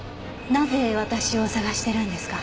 なぜ私を捜してるんですか？